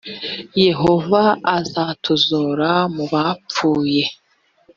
yehova azatuzura mu bapfuye